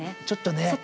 ちょっとね。